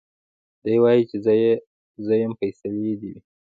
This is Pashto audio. دی وايي چي زه يم فيصلې دي وي